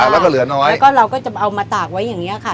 แล้วก็เราก็จะเอามาตากไว้อย่างเนี้ยค่ะ